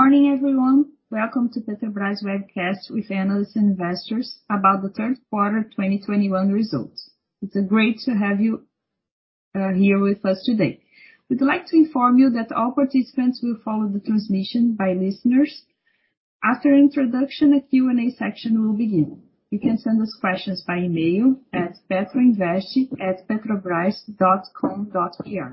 Good morning, everyone. Welcome to Petrobras webcast with analysts and investors about the third quarter 2021 results. It's great to have you here with us today. We'd like to inform you that all participants will be in listen-only. After introduction, a Q&A section will begin. You can send us questions by email at petroinveste@petrobras.com.br.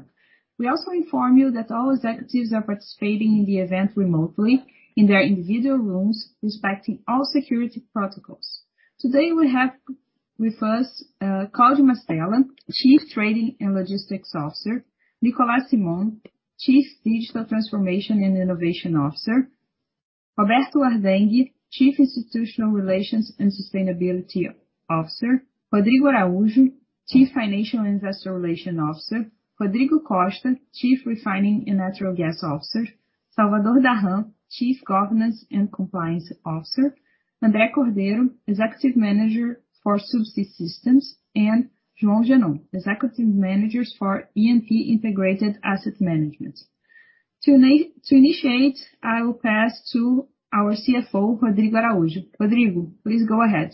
We also inform you that all executives are participating in the event remotely in their individual rooms, respecting all security protocols. Today, we have with us Claudio Mastella, Chief Trading and Logistics Officer. Nicolas Simone, Chief Digital Transformation and Innovation Officer. Roberto Ardenghy, Chief Institutional Relations and Sustainability Officer. Rodrigo Araujo, Chief Financial and Investor Relations Officer. Rodrigo Costa, Chief Refining and Natural Gas Officer. Salvador Dahan, Chief Governance and Compliance Officer. André Lima Cordeiro, Executive Manager for Subsea Systems. João Jeunon, Executive Manager for E&P Integrated Asset Management. To now initiate, I will pass to our CFO, Rodrigo Araujo. Rodrigo, please go ahead.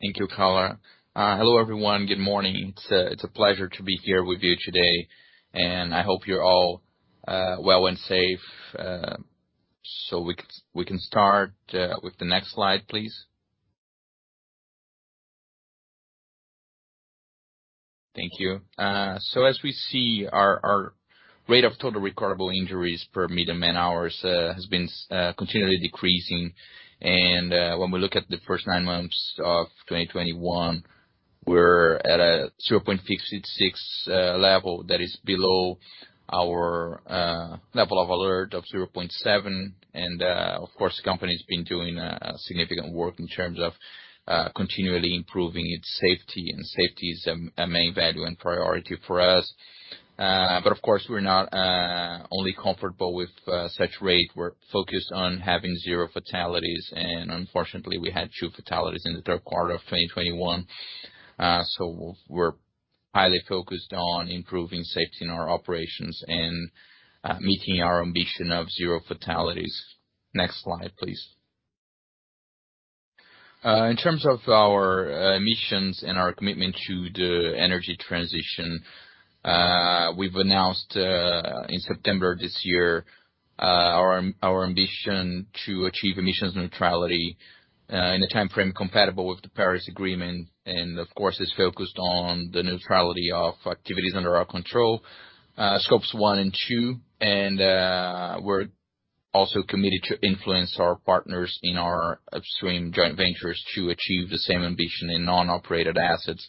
Thank you, Carla. Hello, everyone. Good morning. It's a pleasure to be here with you today and I hope you're all well and safe. We can start with the next slide, please. Thank you. As we see our rate of total recordable injuries per million man hours has been continually decreasing. When we look at the first nine months of 2021, we're at a 0.66 level that is below our level of alert of 0.7. Of course, the company's been doing significant work in terms of continually improving its safety and safety is a main value and priority for us. But of course, we're not only comfortable with such rate. We're focused on having zero fatalities and unfortunately, we had two fatalities in the third quarter of 2021. We're highly focused on improving safety in our operations and meeting our ambition of zero fatalities. Next slide, please. In terms of our emissions and our commitment to the energy transition, we've announced in September this year our ambition to achieve emissions neutrality in a timeframe compatible with the Paris Agreement. Of course, it's focused on the neutrality of activities under our control, Scopes 1 and 2. We're also committed to influence our partners in our Upstream Joint Ventures to achieve the same ambition in non-operated assets.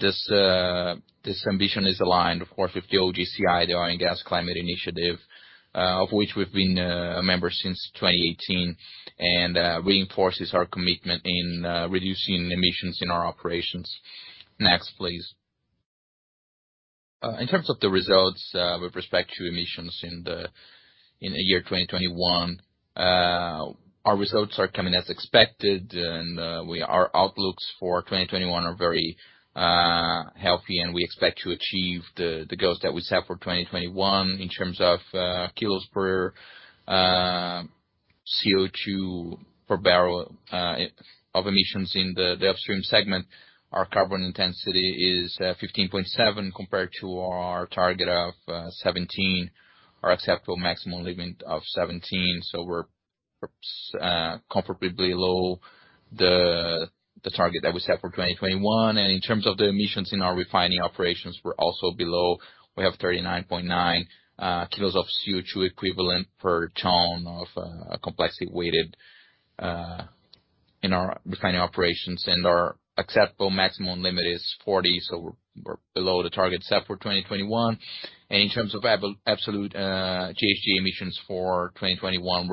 This ambition is aligned, of course, with the OGCI, the Oil and Gas Climate Initiative, of which we've been a member since 2018, and reinforces our commitment in reducing emissions in our operations. Next, please. In terms of the results, with respect to emissions in the year 2021, our results are coming as expected. Our outlooks for 2021 are very healthy and we expect to achieve the goals that we set for 2021 in terms of kilos per CO2 per barrel of emissions. In the Upstream segment, our carbon intensity is 15.7 compared to our target of 17 or acceptable maximum limit of 17. So we're comparably below the target that we set for 2021. In terms of the emissions in our refining operations, we're also below. We have 39.9 kilos of CO2 equivalent per ton of complexity weighted in our refining operations. Our acceptable maximum limit is 40, so we're below the target set for 2021. In terms of absolute GHG emissions for 2021,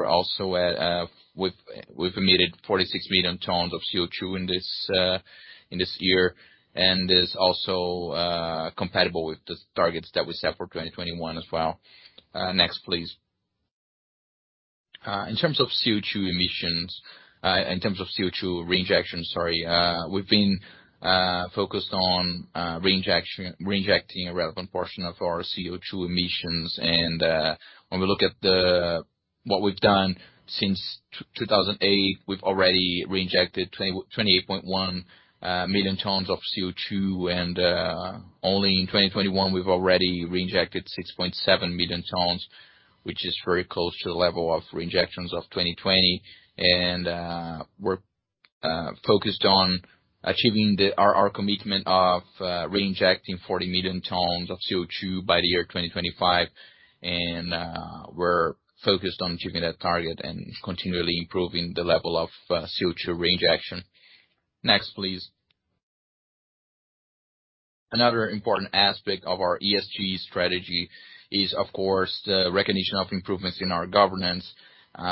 we've emitted 46 million tons of CO2 in this year and it is also compatible with the targets that we set for 2021 as well. Next, please. In terms of CO2 reinjection, sorry. We've been focused on reinjecting a relevant portion of our CO2 emissions. When we look at what we've done since 2008, we've already reinjected 28.1 million tons of CO2. Only in 2021, we've already reinjected 6.7 million tons, which is very close to the level of reinjections of 2020. We're focused on achieving our commitment of reinjecting 40 million tons of CO2 by the year 2025. We're focused on achieving that target and continually improving the level of CO2 reinjection. Next, please. Another important aspect of our ESG strategy is, of course, the recognition of improvements in our governance. In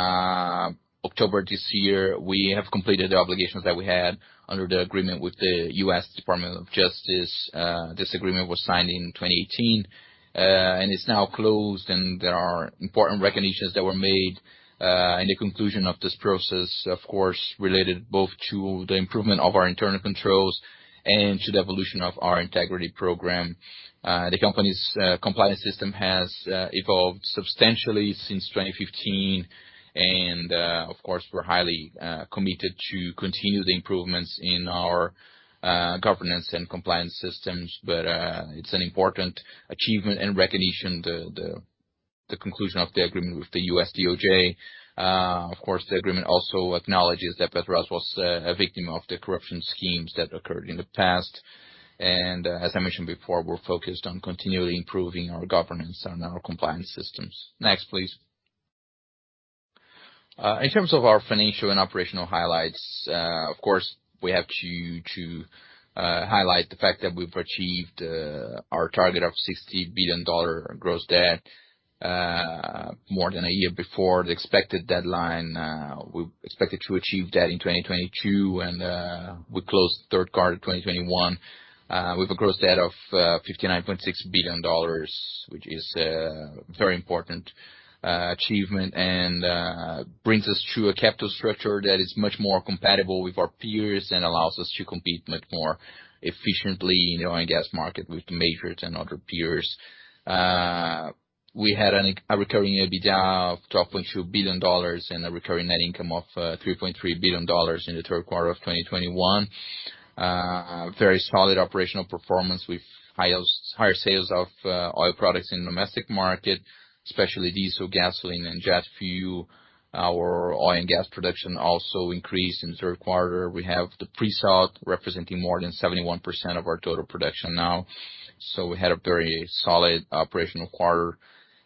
October this year, we have completed the obligations that we had under the agreement with the U.S. Department of Justice. This agreement was signed in 2018, and it's now closed and there are important recognitions that were made in the conclusion of this process, of course, related both to the improvement of our internal controls and to the evolution of our integrity program. The company's compliance system has evolved substantially since 2015. Of course, we're highly committed to continue the improvements in our governance and compliance systems. It's an important achievement and recognition, the conclusion of the agreement with the U.S. DOJ. Of course, the agreement also acknowledges that Petrobras was a victim of the corruption schemes that occurred in the past. As I mentioned before, we're focused on continually improving our governance and our compliance systems. Next, please. In terms of our financial and operational highlights, of course, we have to highlight the fact that we've achieved our target of $60 billion gross debt, more than a year before the expected deadline. We expected to achieve that in 2022 and we closed third quarter of 2021 with a gross debt of $59.6 billion, which is very important achievement and brings us to a capital structure that is much more compatible with our peers and allows us to compete much more efficiently in oil and gas market with majors and other peers. We had a recurring EBITDA of $12.2 billion and a recurring net income of $3.3 billion in the third quarter of 2021. Very solid operational performance with higher sales of oil products in domestic market, especially diesel, gasoline, and jet fuel. Our oil and gas production also increased in the third quarter. We have the pre-salt representing more than 71% of our total production now. We had a very solid operational quarter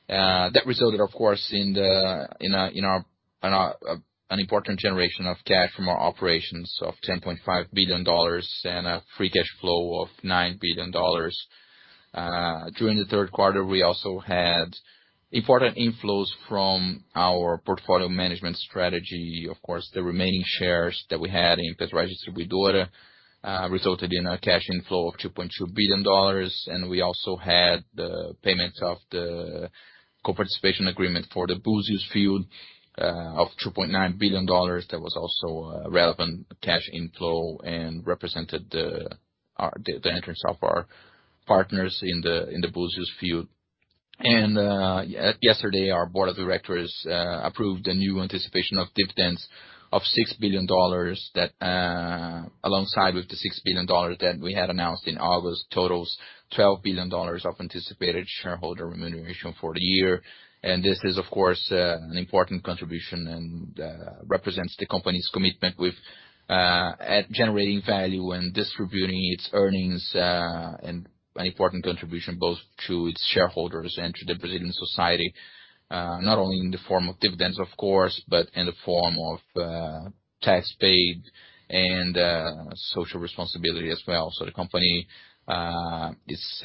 that resulted, of course, in an important generation of cash from our operations of $10.5 billion and a free cash flow of $9 billion. During the third quarter, we also had important inflows from our portfolio management strategy. Of course, the remaining shares that we had in Petrobras Distribuidora resulted in a cash inflow of $2.2 billion. We also had the payment of the co-participation agreement for the Búzios field of $2.9 billion. That was also a relevant cash inflow and represented the entrance of our partners in the Búzios field. Yesterday, our Board of Directors approved a new anticipation of dividends of $6 billion that, alongside with the $6 billion that we had announced in August, totals $12 billion of anticipated shareholder remuneration for the year. This is, of course, an important contribution and represents the company's commitment to generating value and distributing its earnings and an important contribution both to its shareholders and to the Brazilian society, not only in the form of dividends, of course, but in the form of tax paid and social responsibility as well. The company is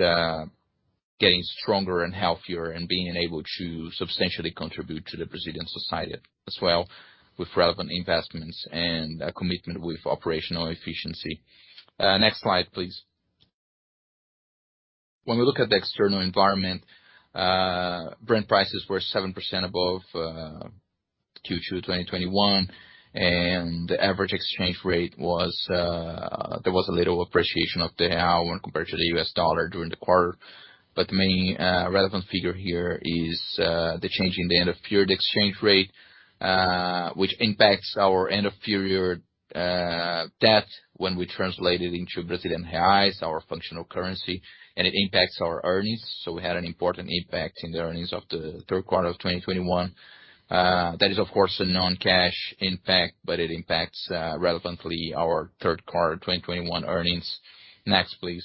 getting stronger and healthier and being able to substantially contribute to the Brazilian society as well with relevant investments and a commitment to operational efficiency. Next slide, please. When we look at the external environment, Brent prices were 7% above Q2 2021 and the average exchange rate was. There was a little appreciation of the real when compared to the U.S. dollar during the quarter. The main relevant figure here is the change in the end-of-period exchange rate, which impacts our end-of-period debt when we translate it into Brazilian reais, our functional currency. It impacts our earnings. We had an important impact in the earnings of the third quarter of 2021. That is, of course, a non-cash impact, but it impacts relevantly our third quarter 2021 earnings. Next, please.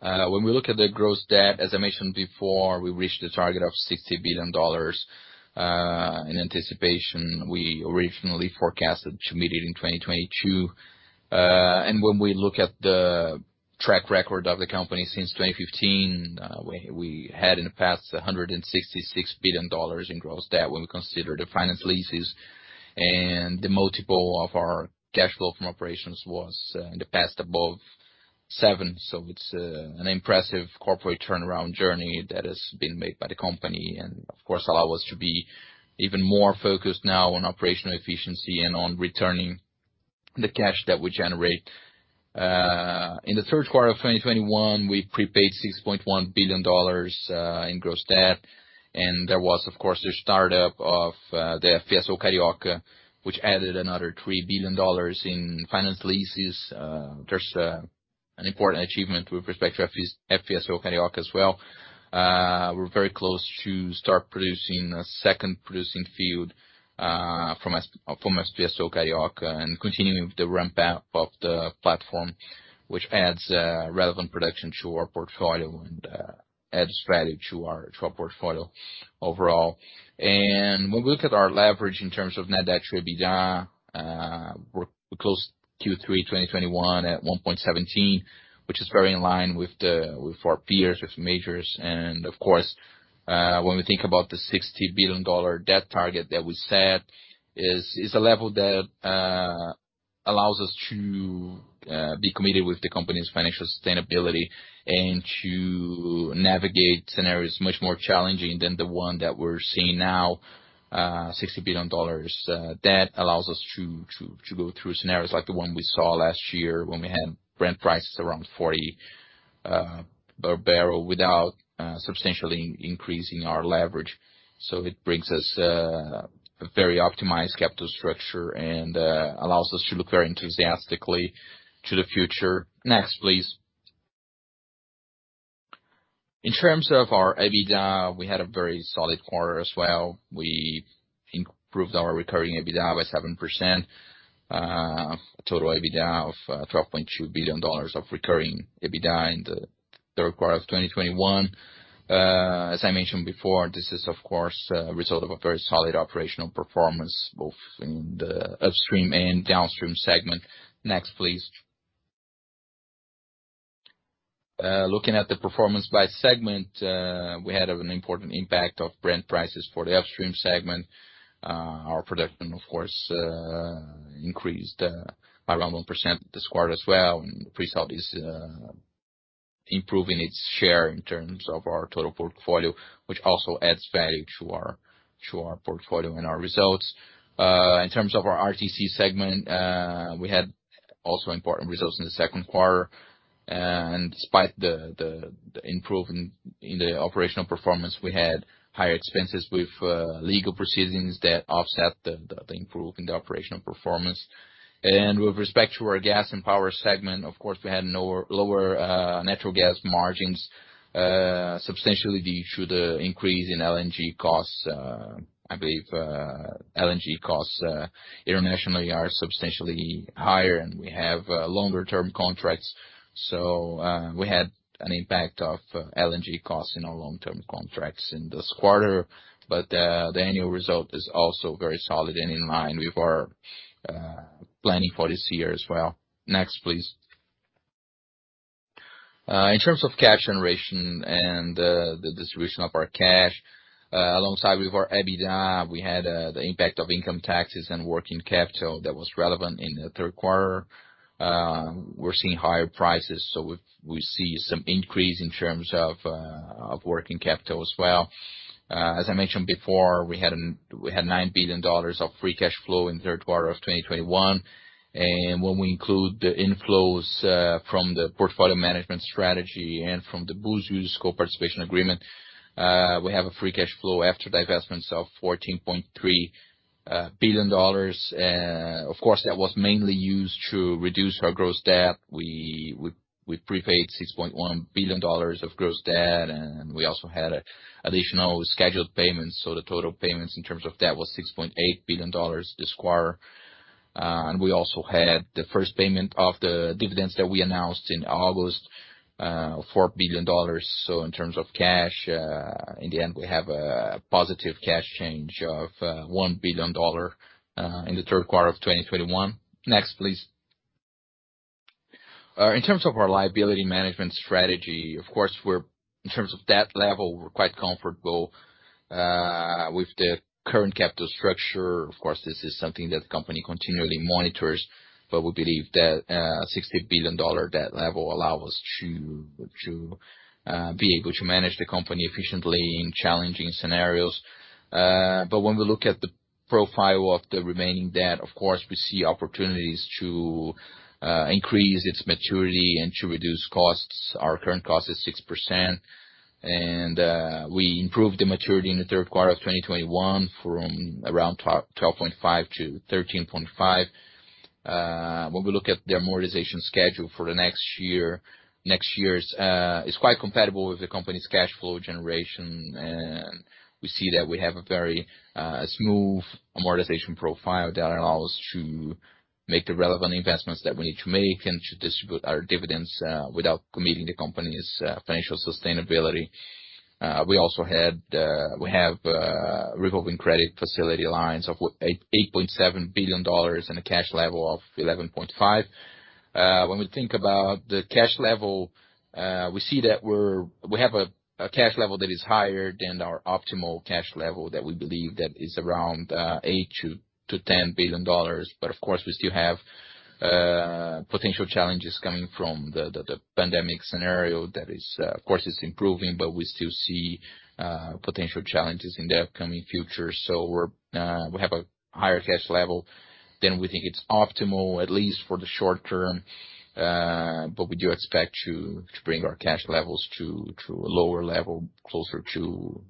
When we look at the gross debt, as I mentioned before, we reached a target of $60 billion in anticipation. We originally forecasted to meet it in 2022. When we look at the track record of the company since 2015, we had in the past $166 billion in gross debt when we consider the finance leases. The multiple of our cash flow from operations was in the past above seven. It's an impressive corporate turnaround journey that has been made by the company and of course allow us to be even more focused now on operational efficiency and on returning the cash that we generate. In the third quarter of 2021, we prepaid $6.1 billion in gross debt, and there was, of course, the start-up of the FPSO Carioca, which added another $3 billion in finance leases. There's an important achievement with respect to FPSO Carioca as well. We're very close to start producing a second producing field from FPSO Carioca and continuing with the ramp up of the platform, which adds relevant production to our portfolio and add value to our portfolio overall. When we look at our leverage in terms of net debt to EBITDA, we closed Q3 2021 at 1.17, which is very in line with our peers, with majors. Of course, when we think about the $60 billion debt target that we set is a level that allows us to be committed with the company's financial sustainability and to navigate scenarios much more challenging than the one that we're seeing now. $60 billion debt allows us to go through scenarios like the one we saw last year when we had Brent prices around $40 per barrel without substantially increasing our leverage. It brings us a very optimized capital structure and allows us to look very enthusiastically to the future. Next, please. In terms of our EBITDA, we had a very solid quarter as well. We improved our recurring EBITDA by 7%, total EBITDA of $12.2 billion of recurring EBITDA in the third quarter of 2021. As I mentioned before, this is of course a result of a very solid operational performance, both in the upstream and downstream segment. Next, please. Looking at the performance by segment, we had an important impact of Brent prices for the upstream segment. Our production, of course, increased by around 1% this quarter as well. Pre-salt is improving its share in terms of our total portfolio, which also adds value to our portfolio and our results. In terms of our RTC segment, we had also important results in the second quarter. Despite the improvement in the operational performance, we had higher expenses with legal proceedings that offset the improvement in the operational performance. With respect to our gas and power segment, of course, we had lower natural gas margins substantially due to the increase in LNG costs. I believe LNG costs internationally are substantially higher, and we have longer-term contracts. We had an impact of LNG costs in our long-term contracts in this quarter. The annual result is also very solid and in line with our planning for this year as well. Next, please. In terms of cash generation and the distribution of our cash, alongside with our EBITDA, we had the impact of income taxes and working capital that was relevant in the third quarter. We're seeing higher prices, so we see some increase in terms of of working capital as well. As I mentioned before, we had $9 billion of free cash flow in the third quarter of 2021. When we include the inflows from the portfolio management strategy and from the Búzios Coparticipation Agreement, we have a free cash flow after divestments of $14.3 billion. Of course, that was mainly used to reduce our gross debt. We prepaid $6.1 billion of gross debt and we also had additional scheduled payments. The total payments in terms of debt was $6.8 billion this quarter. And we also had the first payment of the dividends that we announced in August, $4 billion. In terms of cash, in the end, we have a positive cash change of $1 billion in the third quarter of 2021. Next, please. In terms of our liability management strategy, of course, in terms of debt level, we're quite comfortable with the current capital structure. Of course, this is something that the company continually monitors, but we believe that $60 billion debt level allow us to be able to manage the company efficiently in challenging scenarios. When we look at the profile of the remaining debt, of course, we see opportunities to increase its maturity and to reduce costs. Our current cost is 6%. We improved the maturity in the third quarter of 2021 from around 12.5 to 13.5. When we look at the amortization schedule for next year's, it is quite compatible with the company's cash flow generation. We see that we have a very smooth amortization profile that allows to make the relevant investments that we need to make and to distribute our dividends without committing the company's financial sustainability. We have revolving credit facility lines of $8.7 billion and a cash level of $11.5 billion. When we think about the cash level, we see that we have a cash level that is higher than our optimal cash level that we believe that is around $8 billion-$10 billion. Of course, we still have potential challenges coming from the pandemic scenario that is, of course, it's improving, but we still see potential challenges in the upcoming future. We have a higher cash level than we think it's optimal, at least for the short term. We do expect to bring our cash levels to a lower level, closer to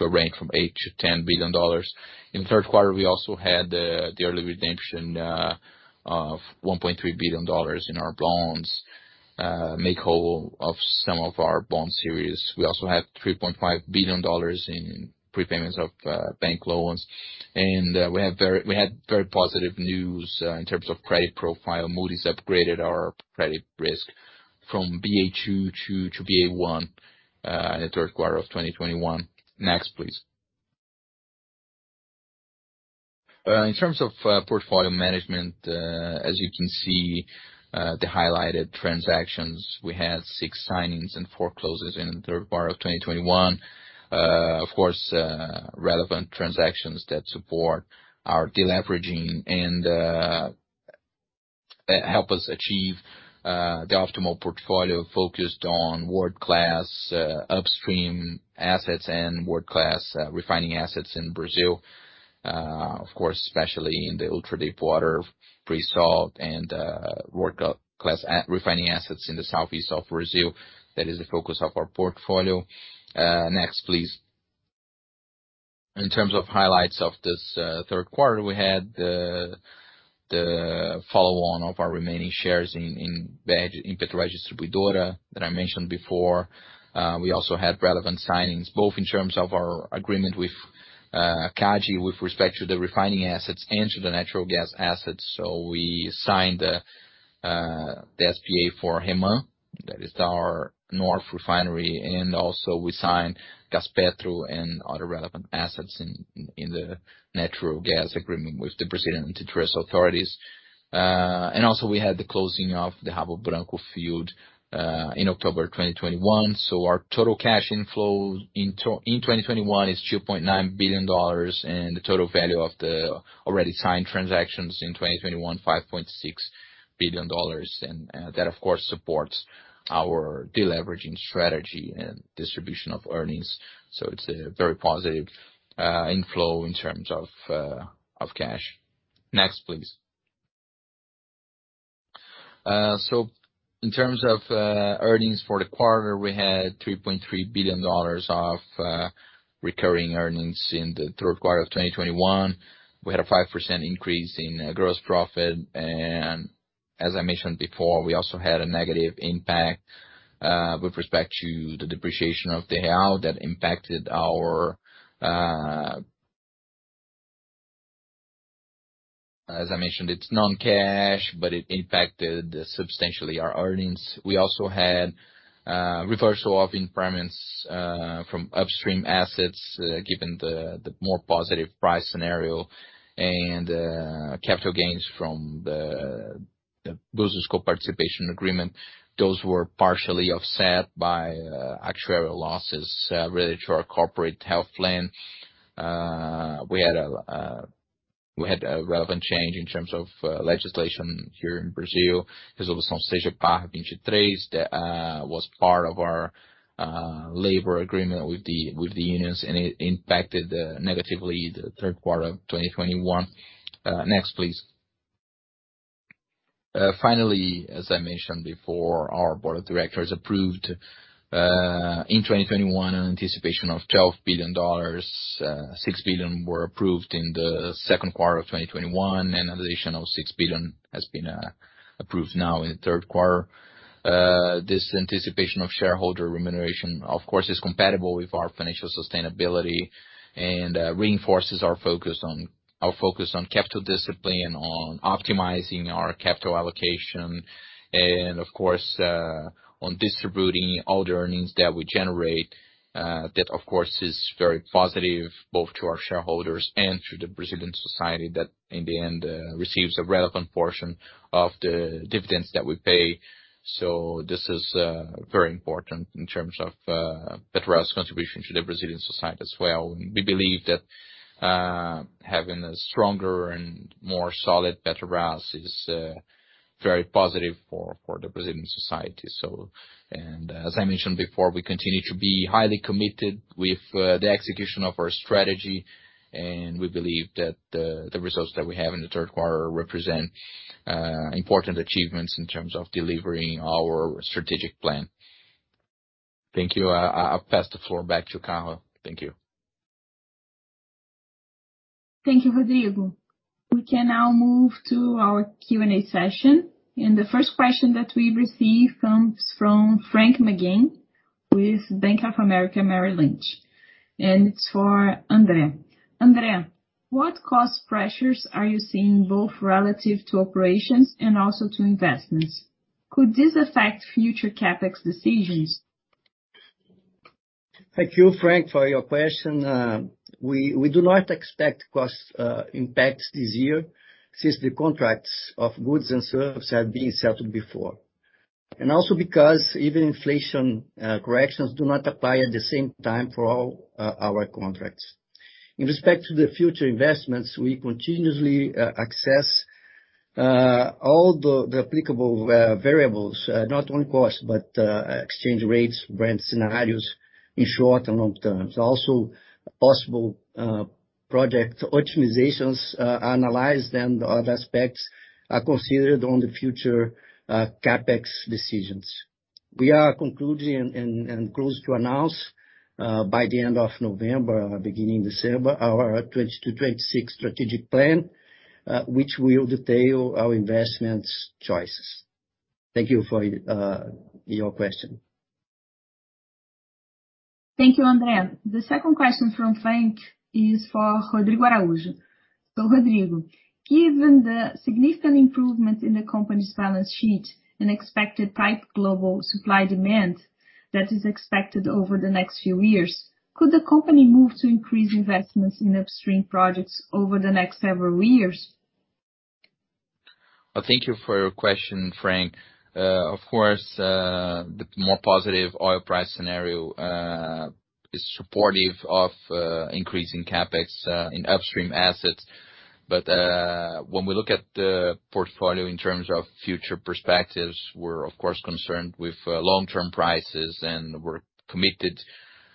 a range from $8 billion-$10 billion. In the third quarter, we also had the early redemption of $1.3 billion in our bonds, make whole of some of our bond series. We also had $3.5 billion in prepayments of bank loans. We had very positive news in terms of credit profile. Moody's upgraded our credit risk from Ba2 to Ba1 in the third quarter of 2021. Next, please. In terms of portfolio management, as you can see, the highlighted transactions, we had six signings and four closes in the third quarter of 2021. Of course, relevant transactions that support our deleveraging and help us achieve the optimal portfolio focused on world-class upstream assets and world-class refining assets in Brazil. Of course, especially in the ultra-deepwater pre-salt and world-class refining assets in the southeast of Brazil. That is the focus of our portfolio. Next, please. In terms of highlights of this third quarter, we had the follow-on of our remaining shares in Petrobras Distribuidora that I mentioned before. We also had relevant signings, both in terms of our agreement with CADE with respect to the refining assets and to the natural gas assets. We signed the SPA for REMAN. That is our north refinery. We signed Gaspetro and other relevant assets in the natural gas agreement with the Brazilian antitrust authorities. We had the closing of the Rabo Branco field in October 2021. Our total cash inflow in 2021 is $2.9 billion, and the total value of the already signed transactions in 2021, $5.6 billion. That of course supports our deleveraging strategy and distribution of earnings. It's a very positive inflow in terms of of cash. Next, please. In terms of earnings for the quarter, we had $3.3 billion of recurring earnings in the third quarter of 2021. We had a 5% increase in gross profit. As I mentioned before, we also had a negative impact with respect to the depreciation of the real that impacted our. As I mentioned, it's non-cash but it impacted substantially our earnings. We also had reversal of impairments from upstream assets given the more positive price scenario and capital gains from the Búzios Coparticipation Agreement. Those were partially offset by actuarial losses related to our corporate health plan. We had a relevant change in terms of legislation here in Brazil, Resolução CGPAR 23, that was part of our labor agreement with the unions, and it impacted negatively the third quarter of 2021. Next, please. Finally, as I mentioned before, our Board of Directors approved in 2021 an anticipation of $12 billion. $6 billion were approved in the second quarter of 2021, and additional $6 billion has been approved now in the third quarter. This anticipation of shareholder remuneration, of course, is compatible with our financial sustainability and reinforces our focus on capital discipline, on optimizing our capital allocation, and of course, on distributing all the earnings that we generate. That, of course, is very positive both to our shareholders and to the Brazilian society that in the end receives a relevant portion of the dividends that we pay. This is very important in terms of Petrobras' contribution to the Brazilian society as well. We believe that having a stronger and more solid Petrobras is very positive for the Brazilian society. As I mentioned before, we continue to be highly committed to the execution of our strategy, and we believe that the results that we have in the third quarter represent important achievements in terms of delivering our strategic plan. Thank you. I'll pass the floor back to Carla. Thank you. Thank you, Rodrigo. We can now move to our Q&A session. The first question that we received comes from Frank McGann with Bank of America, Merrill Lynch, and it's for André. André, what cost pressures are you seeing both relative to operations and also to investments? Could this affect future CapEx decisions? Thank you, Frank, for your question. We do not expect cost impacts this year since the contracts of goods and services have been settled before. Also because even inflation corrections do not apply at the same time for all our contracts. In respect to the future investments, we continuously assess all the applicable variables, not only cost but exchange rates, Brent scenarios in short and long terms. Also, possible project optimizations analyzed and other aspects are considered on the future CapEx decisions. We are concluding and close to announce by the end of November, beginning December, our 2022-2026 strategic plan, which will detail our investments choices. Thank you for your question. Thank you, André. The second question from Frank is for Rodrigo Araujo. Rodrigo, given the significant improvement in the company's balance sheet and expected tight global supply demand that is expected over the next few years. Could the company move to increase investments in upstream projects over the next several years? Well, thank you for your question, Frank. Of course, the more positive oil price scenario is supportive of increasing CapEx in upstream assets. When we look at the portfolio in terms of future perspectives, we're of course concerned with long-term prices, and we're committed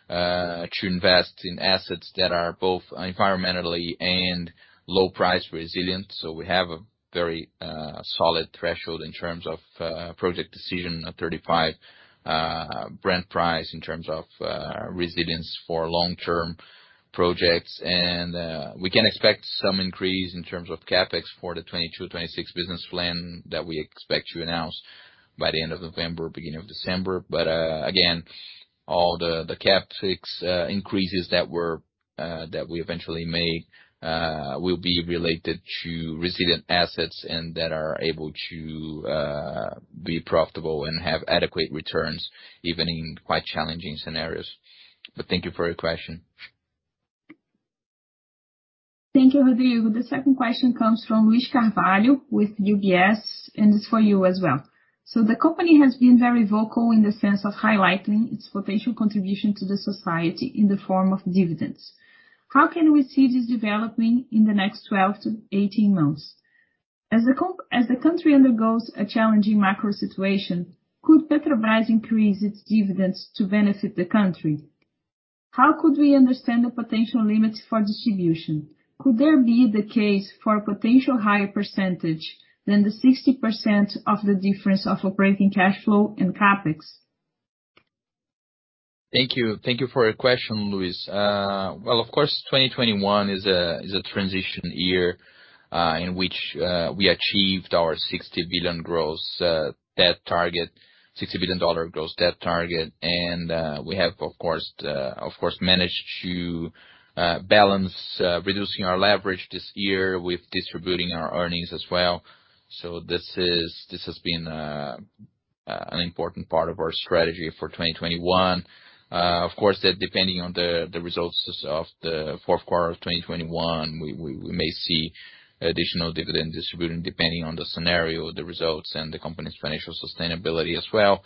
to invest in assets that are both environmentally and low price resilient. We have a very solid threshold in terms of project decision of 35 Brent price in terms of resilience for long-term projects. We can expect some increase in terms of CapEx for the 2022-2026 business plan that we expect to announce by the end of November, beginning of December. Again, all the CapEx increases that we eventually make will be related to resilient assets and that are able to be profitable and have adequate returns, even in quite challenging scenarios. Thank you for your question. Thank you, Rodrigo. The second question comes from Luiz Carvalho with UBS and it's for you as well. The company has been very vocal in the sense of highlighting its potential contribution to society in the form of dividends. How can we see this developing in the next 12-18 months? As the country undergoes a challenging macro situation, could Petrobras increase its dividends to benefit the country? How could we understand the potential limits for distribution? Could there be the case for a potential higher percentage than the 60% of the difference of operating cash flow and CapEx? Thank you. Thank you for your question, Luiz. Well, of course, 2021 is a transition year in which we achieved our $60 billion gross debt target. We have of course managed to balance reducing our leverage this year with distributing our earnings as well. This has been an important part of our strategy for 2021. Of course, depending on the results of the fourth quarter of 2021, we may see additional dividend distributing depending on the scenario, the results, and the company's financial sustainability as well.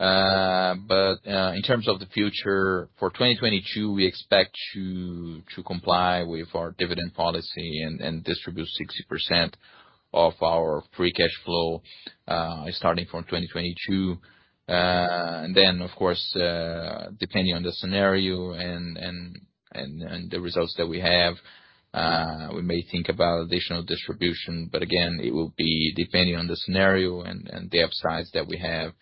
In terms of the future, for 2022, we expect to comply with our dividend policy and distribute 60% of our free cash flow starting from 2022. Then, of course, depending on the scenario and the results that we have, we may think about additional distribution. Again, it will depend on the scenario and the upsides that we have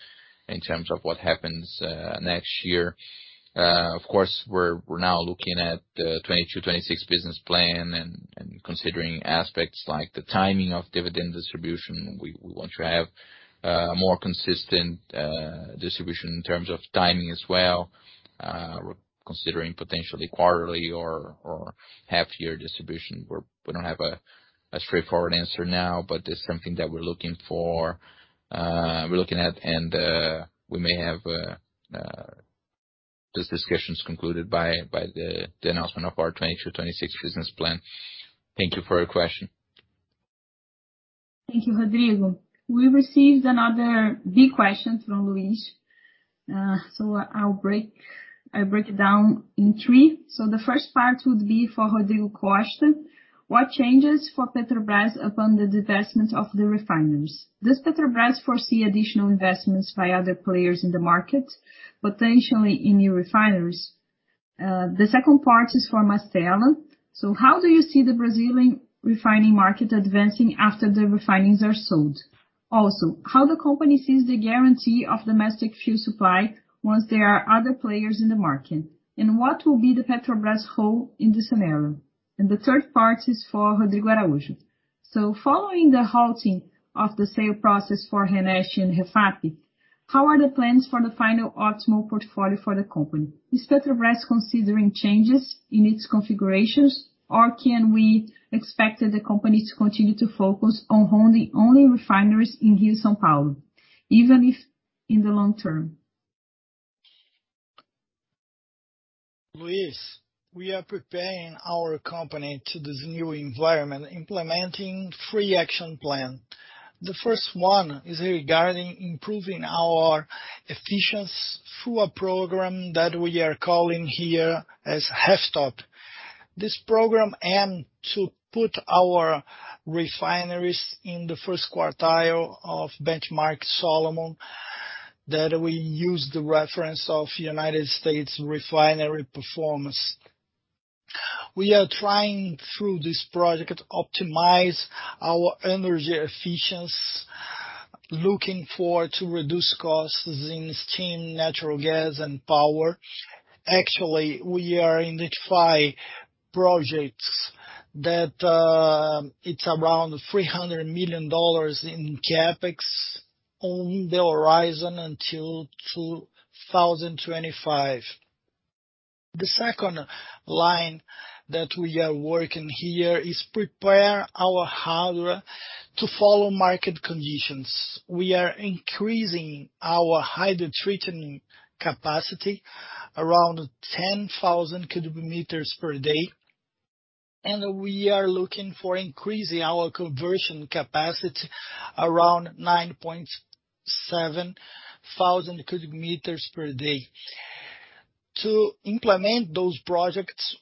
in terms of what happens next year. Of course, we're now looking at the 2022-2026 business plan and considering aspects like the timing of dividend distribution. We want to have more consistent distribution in terms of timing as well. We're considering potentially quarterly or half-year distribution. We don't have a straightforward answer now, but it's something that we're looking at, and we may have those discussions concluded by the announcement of our 2022-2026 business plan. Thank you for your question. Thank you, Rodrigo. We received another big question from Luiz. I'll break it down in three. The first part would be for Rodrigo Costa. What changes for Petrobras upon the divestment of the refineries? Does Petrobras foresee additional investments by other players in the market, potentially in new refineries? The second part is for Marcelo. How do you see the Brazilian refining market advancing after the refineries are sold? Also, how the company sees the guarantee of domestic fuel supply once there are other players in the market? What will be the Petrobras role in this scenario? The third part is for Rodrigo Araujo. Following the halting of the sale process for RNEST and REFAP, how are the plans for the final optimal portfolio for the company? Is Petrobras considering changes in its concessions, or can we expect the company to continue to focus on holding only refineries in Rio de Janeiro, São Paulo, even if in the long term? Luiz, we are preparing our company to this new environment, implementing three action plan. The first one is regarding improving our efficiency through a program that we are calling here as RefTOP. This program aim to put our refineries in the first quartile of Solomon benchmark that we use the reference of United States refinery performance. We are trying through this project optimize our energy efficiency, looking for to reduce costs in steam, natural gas, and power. Actually, we are identify projects that, it's around $300 million in CapEx on the horizon until 2025. The second line that we are working here is prepare our hardware to follow market conditions. We are increasing our hydrotreating capacity around 10,000 cubic meters per day, and we are looking for increasing our conversion capacity around 9,700 cubic meters per day. To implement those projects,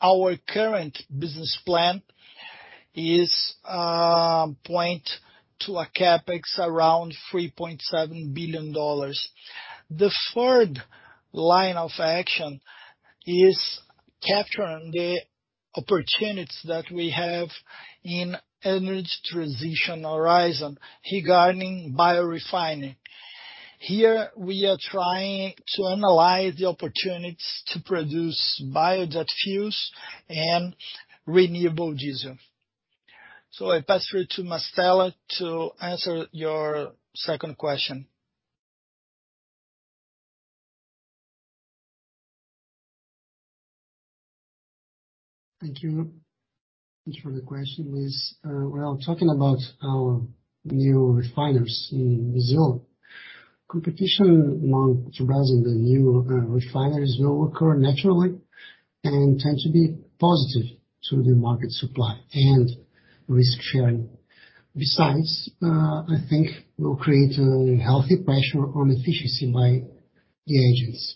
our current business plan points to a CapEx around $3.7 billion. The third line of action is capturing the opportunities that we have in energy transition horizon regarding biorefining. Here we are trying to analyze the opportunities to produce biojet fuels and renewable diesel. I pass through to Mastella to answer your second question. Thank you. Thanks for the question, please. Well, talking about our new refiners in Brazil, competition among the new refiners will occur naturally and tend to be positive to the market supply and risk-sharing. Besides, I think it will create a healthy pressure on efficiency by the agents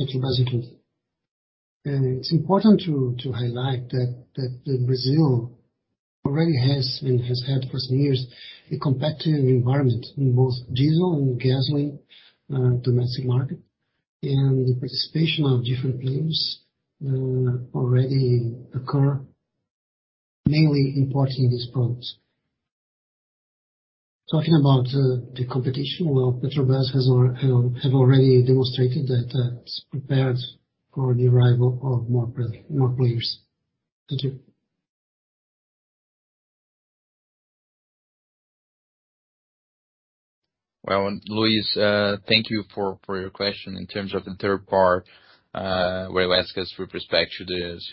at Petrobras Group. It's important to highlight that Brazil already has had for some years a competitive environment in both diesel and gasoline domestic market. The participation of different players already occur, mainly importing these products. Talking about the competition, Petrobras have already demonstrated that it's prepared for the arrival of more players. Thank you. Well, Luiz, thank you for your question. In terms of the third part, where you ask us with respect to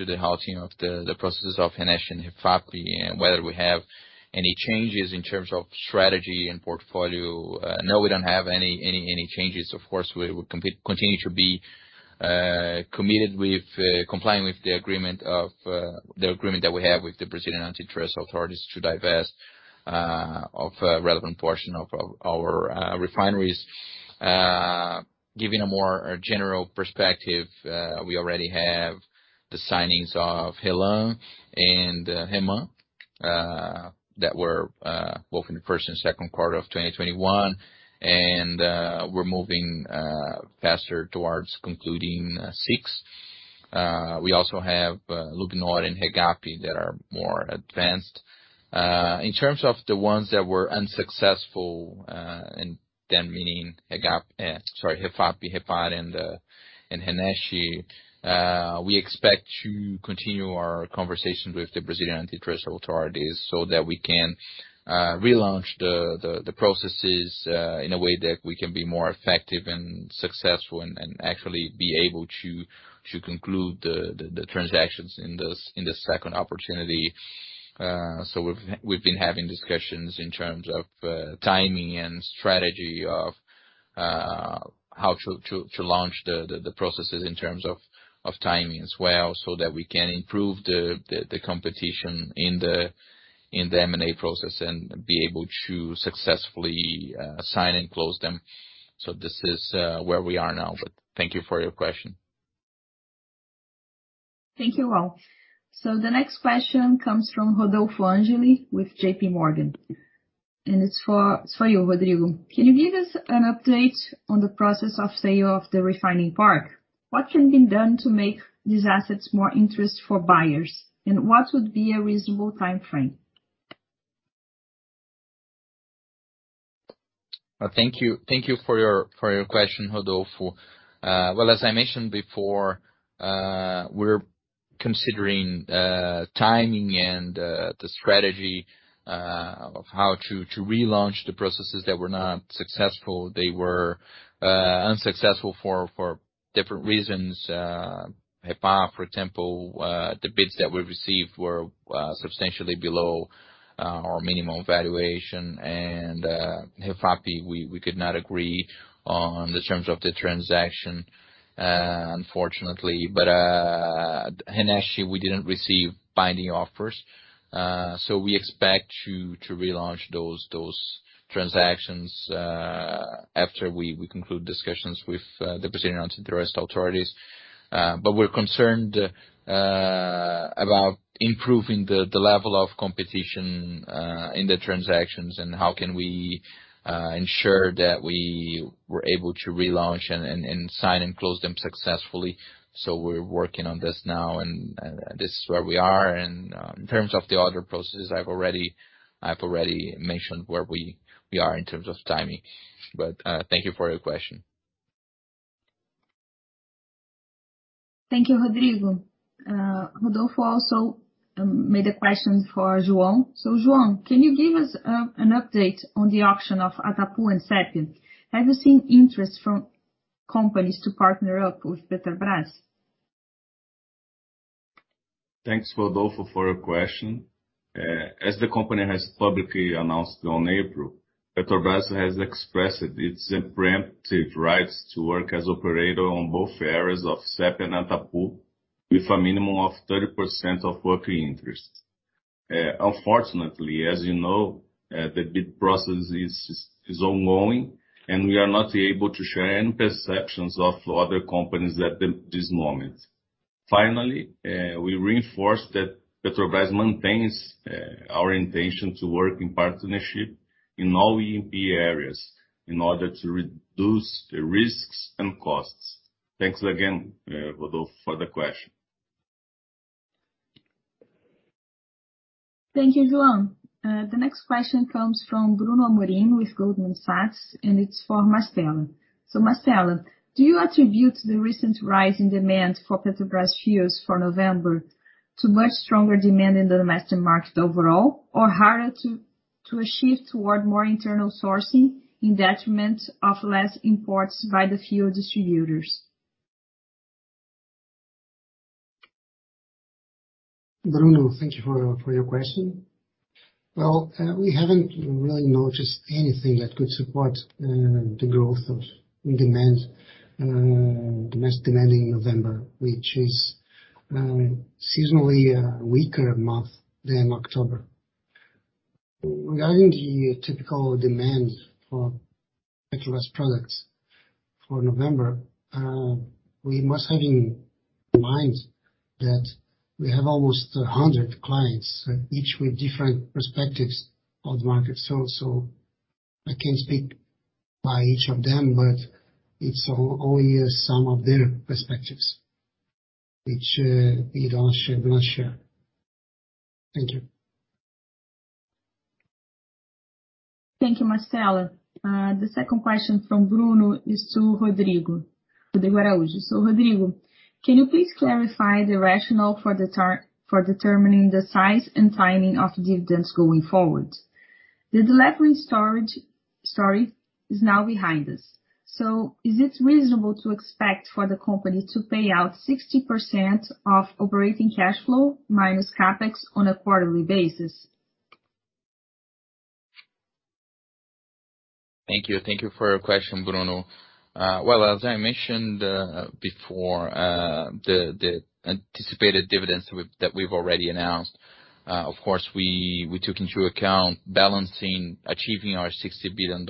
the halting of the processes of RNEST and REFAP, and whether we have any changes in terms of strategy and portfolio. No, we don't have any changes. Of course, we continue to be committed with complying with the agreement that we have with the Brazilian antitrust authorities to divest of a relevant portion of our refineries. Giving a more general perspective, we already have the signings of RLAM and REMAN that were both in the first and second quarter of 2021. We're moving faster towards concluding SIX. We also have LUBNOR and REGAP that are more advanced. In terms of the ones that were unsuccessful, and then meaning REGAP, REFAP, REPAR and RNEST, we expect to continue our conversations with the Brazilian antitrust authorities so that we can relaunch the processes in a way that we can be more effective and successful and actually be able to conclude the transactions in this second opportunity. We've been having discussions in terms of timing and strategy of how to launch the processes in terms of timing as well, so that we can improve the competition in the M&A process and be able to successfully sign and close them. This is where we are now. Thank you for your question. Thank you all. The next question comes from Rodolfo Angeli with JPMorgan, and it's for you, Rodrigo. Can you give us an update on the process of sale of the refining park? What can be done to make these assets more interesting for buyers? And what would be a reasonable timeframe? Thank you for your question, Rodolfo. Well, as I mentioned before, we're considering timing and the strategy of how to relaunch the processes that were not successful. They were unsuccessful for different reasons. REPAR, for example, the bids that we received were substantially below our minimum valuation. REFAP, we could not agree on the terms of the transaction, unfortunately. REMAN, we didn't receive binding offers. We expect to relaunch those transactions after we conclude discussions with the Brazilian antitrust authorities. We're concerned about improving the level of competition in the transactions and how we can ensure that we are able to relaunch and sign and close them successfully. We're working on this now and this is where we are. In terms of the other processes, I've already mentioned where we are in terms of timing. Thank you for your question. Thank you, Rodrigo. Rodolfo also asked a question for João. João, can you give us an update on the auctin of Atapu and Sépia? Have you seen interest from companies to partner up with Petrobras? Thanks, Rodolfo, for your question. As the company has publicly announced on April, Petrobras has expressed its preemptive rights to work as operator on both areas of Sépia and Atapu, with a minimum of 30% of working interest. Unfortunately, as you know, the bid process is ongoing, and we are not able to share any perceptions of other companies at this moment. Finally, we reinforce that Petrobras maintains our intention to work in partnership in all E&P areas in order to reduce risks and costs. Thanks again, Rodolfo, for the question. Thank you, João. The next question comes from Bruno Amorim with Goldman Sachs and it's for Marcelo. Marcelo, do you attribute the recent rise in demand for Petrobras fuels for November to much stronger demand in the domestic market overall or harder to achieve toward more internal sourcing in detriment of less imports by the fuel distributors? Bruno, thank you for your question. Well, we haven't really noticed anything that could support the growth of demand, domestic demand in November, which is seasonally a weaker month than October. Regarding the typical demand for Petrobras products for November, we must have in mind that we have almost 100 clients, each with different perspectives of the market. I can't speak by each of them, but it's only a sum of their perspectives, which we don't share. Thank you. Thank you, Marcelo. The second question from Bruno is to Rodrigo Araujo. Rodrigo, can you please clarify the rationale for determining the size and timing of dividends going forward? The deleveraging story is now behind us, so is it reasonable to expect for the company to pay out 60% of operating cash flow minus CapEx on a quarterly basis? Thank you for your question, Bruno. As I mentioned before, the anticipated dividends that we've already announced, of course, we took into account balancing achieving our $60 billion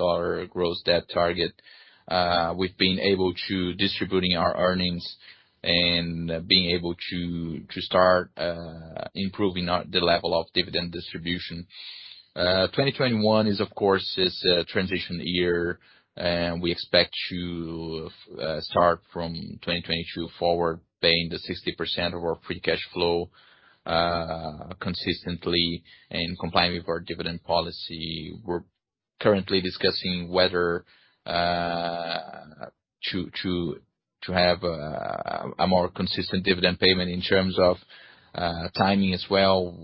gross debt target with being able to distribute our earnings and being able to start improving the level of dividend distribution. 2021 is, of course, a transition year and we expect to start from 2022 forward, paying 60% of our free cash flow consistently and complying with our dividend policy. We're currently discussing whether to have a more consistent dividend payment in terms of timing as well.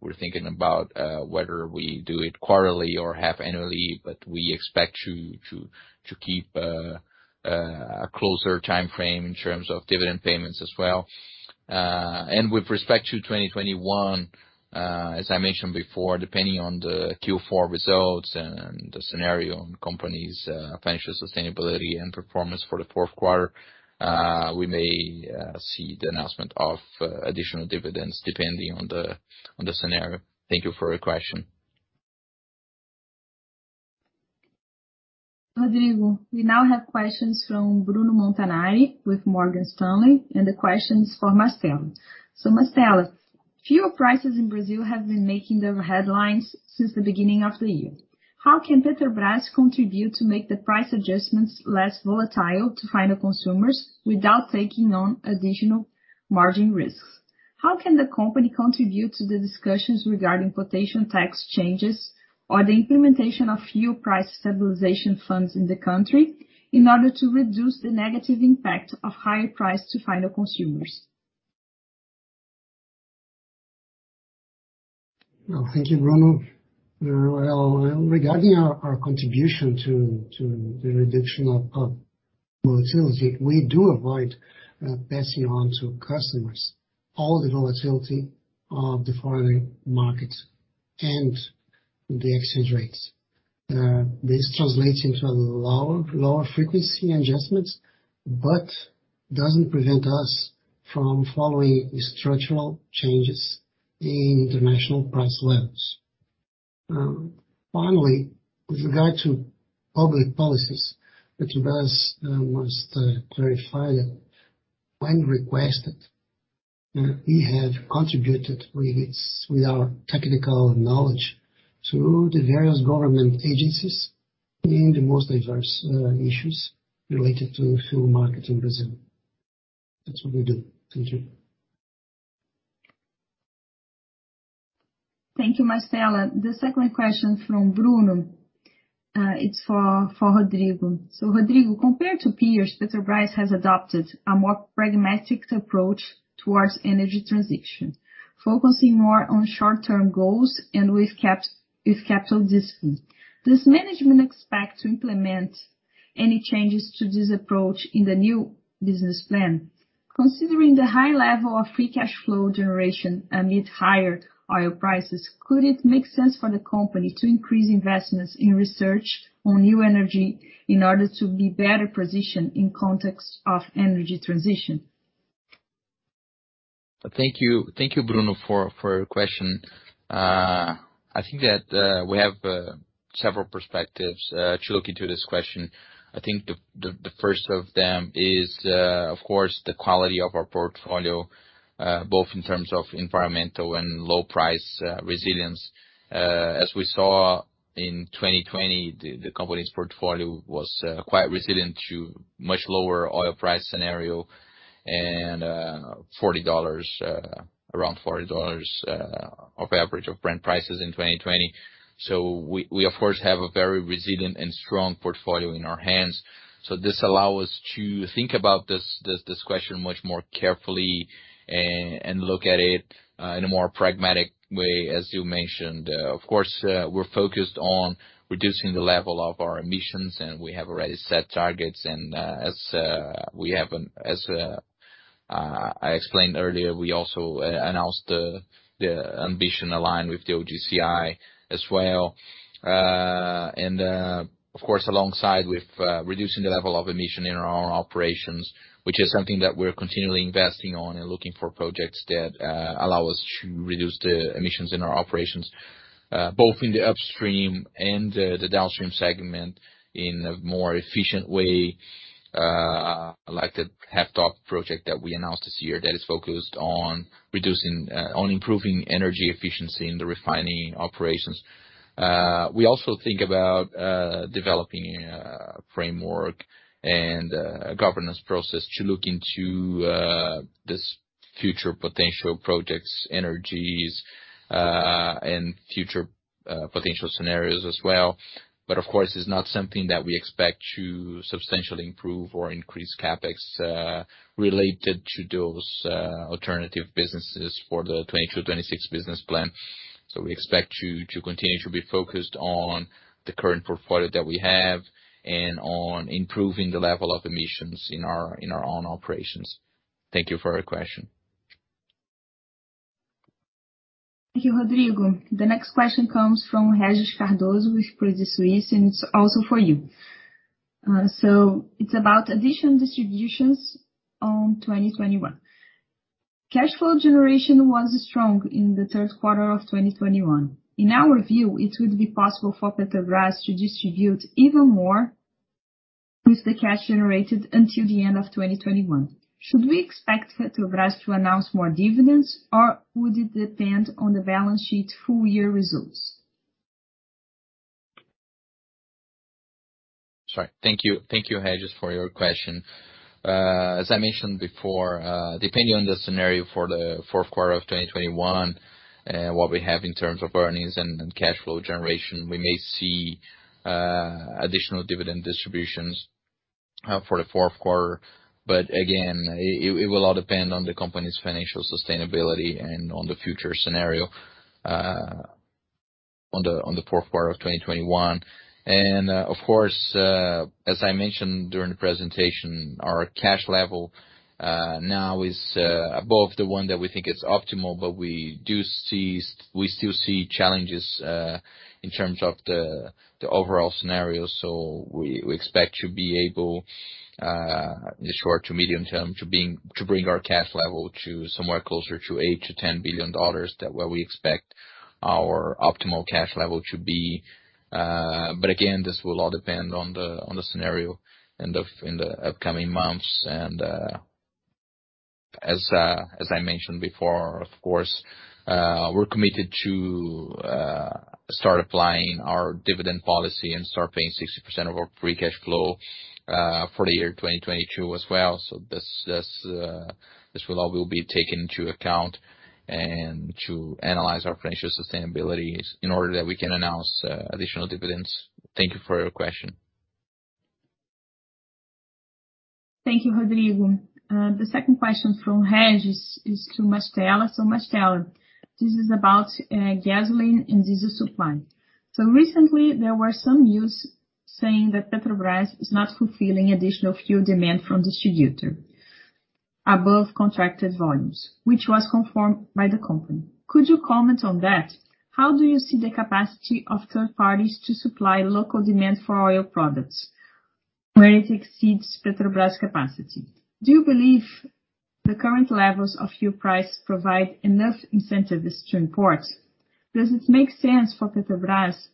We're thinking about whether we do it quarterly of half-yearly but we expect to keep a closer timeframe in terms of dividend payments as well. With respect to 2021, as I mentioned before, depending on the Q4 results and the scenario on the company's financial sustainability and performance for the fourth quarter, we may see the announcement of additional dividends depending on the scenario. Thank you for your question. Rodrigo, we now have questions from Bruno Montanari with Morgan Stanley, and the question is for Marcelo. Marcelo, fuel prices in Brazil have been making the headlines since the beginning of the year. How can Petrobras contribute to make the price adjustments less volatile to final consumers without taking on additional margin risks? How can the company contribute to the discussions regarding potential tax changes or the implementation of fuel price stabilization funds in the country in order to reduce the negative impact of higher price to final consumers? Well, thank you, Bruno. Well, regarding our contribution to the reduction of volatility, we do avoid passing on to customers all the volatility of the foreign markets and the exchange rates. This translates into a lower frequency adjustments, but doesn't prevent us from following structural changes in international price levels. Finally, with regard to public policies, Petrobras wants to clarify that when requested, we have contributed with our technical knowledge to the various government agencies in the most diverse issues related to fuel market in Brazil. That's what we do. Thank you. Thank you, Marcelo. The second question from Bruno, it's for Rodrigo. Rodrigo, compared to peers, Petrobras has adopted a more pragmatic approach towards energy transition, focusing more on short-term goals and with CapEx discipline. Does management expect to implement any changes to this approach in the new business plan? Considering the high level of free cash flow generation amid higher oil prices, could it make sense for the company to increase investments in research on new energy in order to be better positioned in context of energy transition? Thank you, Bruno, for your question. I think that we have several perspectives to look into this question. I think the first of them is, of course, the quality of our portfolio, both in terms of environmental and low price resilience. As we saw in 2020, the company's portfolio was quite resilient to much lower oil price scenario and around $40 of average Brent prices in 2020. We of course have a very resilient and strong portfolio in our hands. This allow us to think about this question much more carefully and look at it in a more pragmatic way, as you mentioned. Of course, we're focused on reducing the level of our emissions, and we have already set targets. As I explained earlier, we also announced the ambition aligned with the OGCI as well. Of course, alongside with reducing the level of emission in our operations, which is something that we're continually investing on and looking for projects that allow us to reduce the emissions in our operations, both in the upstream and the downstream segment in a more efficient way, like the RefTOP project that we announced this year that is focused on improving energy efficiency in the refining operations. We also think about developing a framework and a governance process to look into this future potential projects, energies, and future potential scenarios as well. Of course, it's not something that we expect to substantially improve or increase CapEx related to those alternative businesses for the 2022-2026 business plan. We expect to continue to be focused on the current portfolio that we have and on improving the level of emissions in our own operations. Thank you for your question. Thank you, Rodrigo. The next question comes from Regis Cardoso with Credit Suisse and it's also for you. It's about additional distributions on 2021. Cash flow generation was strong in the third quarter of 2021. In our view, it would be possible for Petrobras to distribute even more with the cash generated until the end of 2021. Should we expect Petrobras to announce more dividends or would it depend on the balance sheet full year results? Sorry. Thank you. Thank you, Regis, for your question. As I mentioned before, depending on the scenario for the fourth quarter of 2021, what we have in terms of earnings and cash flow generation, we may see additional dividend distributions for the fourth quarter. But again, it will all depend on the company's financial sustainability and on the future scenario on the fourth quarter of 2021. Of course, as I mentioned during the presentation, our cash level now is above the one that we think is optimal, but we still see challenges in terms of the overall scenario. We expect to be able in the short to medium term to bring our cash level to somewhere closer to $8 billion-$10 billion, that's where we expect our optimal cash level to be. Again, this will all depend on the scenario in the upcoming months. As I mentioned before, of course, we're committed to start applying our dividend policy and start paying 60% of our free cash flow for the year 2022 as well. This will all be taken into account and to analyze our financial sustainability in order that we can announce additional dividends. Thank you for your question. Thank you, Rodrigo. The second question from Regis is to Marcelo. Marcelo, this is about gasoline and diesel supply. Recently, there were some news saying that Petrobras is not fulfilling additional fuel demand from distributor above contracted volumes, which was confirmed by the company. Could you comment on that? How do you see the capacity of third parties to supply local demand for oil products where it exceeds Petrobras capacity? Do you believe the current levels of fuel price provide enough incentives to import? Does it make sense for Petrobras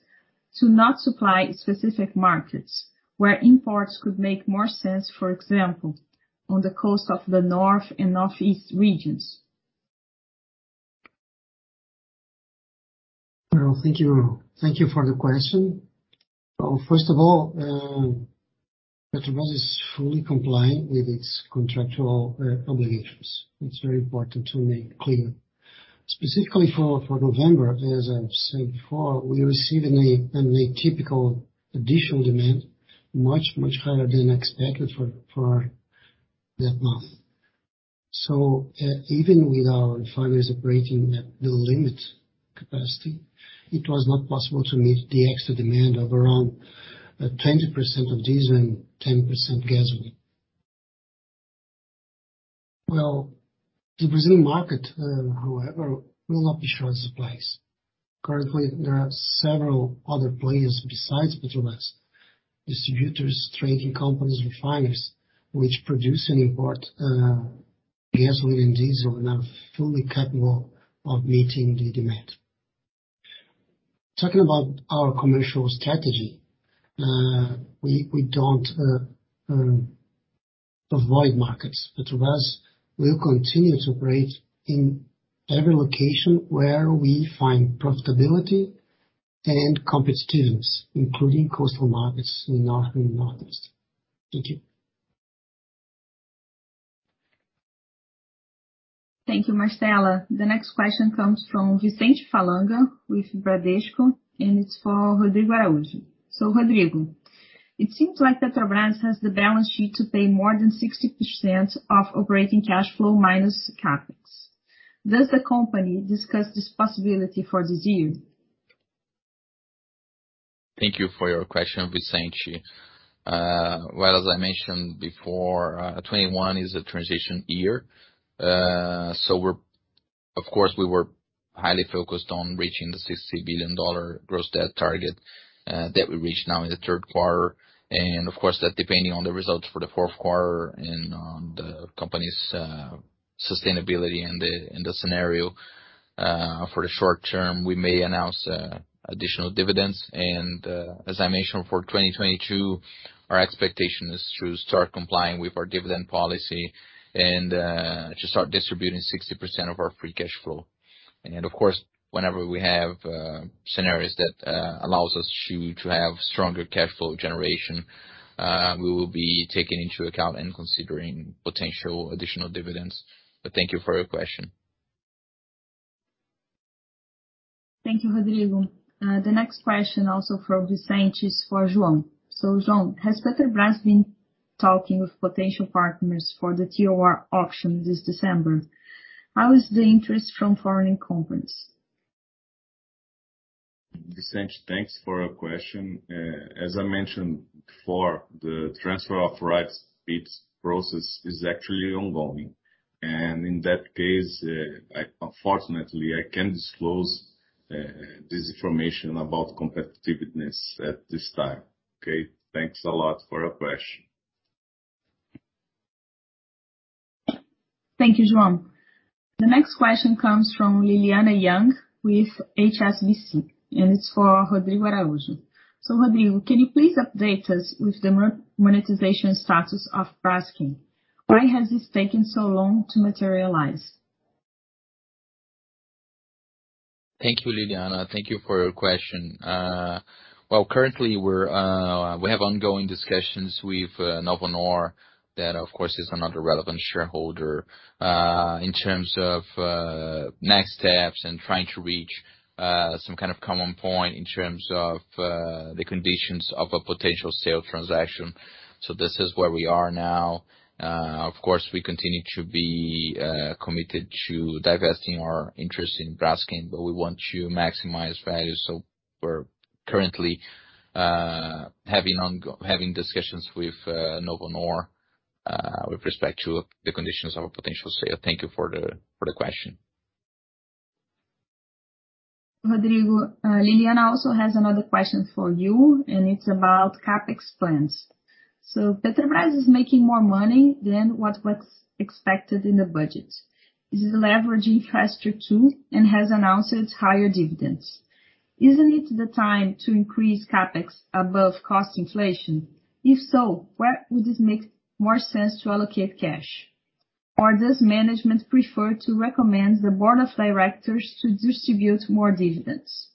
to not supply specific markets where imports could make more sense, for example, on the coast of the North and Northeast regions? Well, thank you. Thank you for the question. First of all, Petrobras is fully compliant with its contractual obligations. It's very important to make clear. Specifically for November, as I've said before, we received an atypical additional demand, much higher than expected for that month. Even with our refiners operating at the limit capacity, it was not possible to meet the extra demand of around 20% of diesel and 10% gasoline. Well, the Brazilian market, however, will not be short of supplies. Currently, there are several other players besides Petrobras, distributors, trading companies, refiners, which produce and import gasoline and diesel, and are fully capable of meeting the demand. Talking about our commercial strategy, we don't avoid markets. Petrobras will continue to operate in every location where we find profitability and competitiveness, including coastal markets in North and Northeast. Thank you. Thank you, Marcelo. The next question comes from Vicente Falanga with Bradesco and it's for Rodrigo Araujo. Rodrigo, it seems like Petrobras has the balance sheet to pay more than 60% of operating cash flow minus CapEx. Does the company discuss this possibility for this year? Thank you for your question, Vicente. Well, as I mentioned before, 2021 is a transition year. Of course, we were highly focused on reaching the $60 billion gross debt target that we reached now in the third quarter. Of course, that depending on the results for the fourth quarter and on the company's sustainability in the scenario for the short term, we may announce additional dividends. As I mentioned, for 2022, our expectation is to start complying with our dividend policy and to start distributing 60% of our free cash flow. Of course, whenever we have scenarios that allows us to have stronger cash flow generation, we will be taking into account and considering potential additional dividends. Thank you for your question. Thank you, Rodrigo. The next question also from Vicente is for João. João, has Petrobras been talking with potential partners for the TOR auction this December? How is the interest from foreign companies? Vicente, thanks for your question. As I mentioned before, the transfer of rights bids process is actually ongoing. In that case, I unfortunately can't disclose this information about competitiveness at this time. Okay. Thanks a lot for your question. Thank you, João. The next question comes from Lilyanna Yang with HSBC, and it's for Rodrigo Araujo. Rodrigo, can you please update us with the monetization status of Braskem? Why has this taken so long to materialize? Thank you, Lilyanna. Thank you for your question. Well, currently we have ongoing discussions with Novonor that of course is another relevant shareholder in terms of next steps and trying to reach some kind of common point in terms of the conditions of a potential sale transaction. This is where we are now. Of course, we continue to be committed to divesting our interest in Braskem but we want to maximize value, so we're currently having discussions with Novonor with respect to the conditions of a potential sale. Thank you for the question. Rodrigo, Lilyanna also has another question for you and it's about CapEx plans. Petrobras is making more money than what was expected in the budget. This is deleveraging faster too, and has announced higher dividends. Isn't it time to increase CapEx above cost inflation? If so, where would this make more sense to allocate cash? Or does management prefer to recommend the board of directors to distribute more dividends?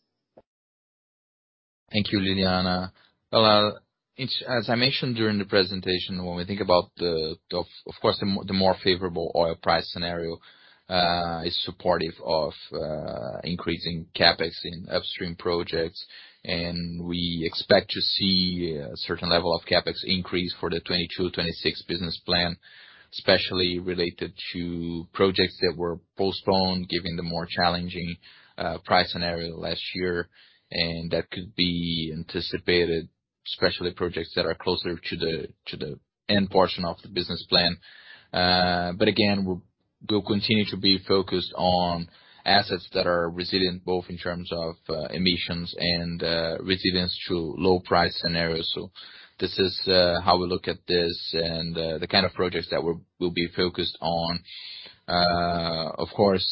Thank you, Lilyanna. As I mentioned during the presentation, when we think about, of course, the more favorable oil price scenario is supportive of increasing CapEx in upstream projects. We expect to see a certain level of CapEx increase for the 2022/2026 business plan, especially related to projects that were postponed given the more challenging price scenario last year. That could be anticipated, especially projects that are closer to the end portion of the business plan. We'll continue to be focused on assets that are resilient, both in terms of emissions and resilience to low price scenarios. This is how we look at this and the kind of projects that we'll be focused on. Of course,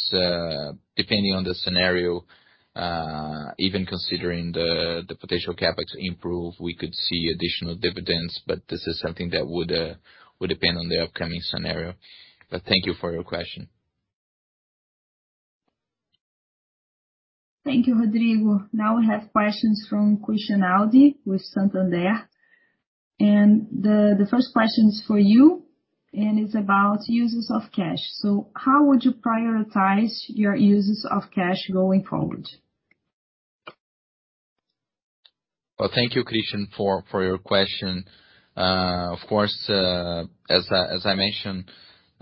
depending on the scenario, even considering the potential CapEx improvement, we could see additional dividends, but this is something that would depend on the upcoming scenario. Thank you for your question. Thank you, Rodrigo. Now we have questions from Christian Audi with Santander. The first question is for you, and it's about uses of cash. How would you prioritize your uses of cash going forward? Well, thank you, Christian, for your question. Of course,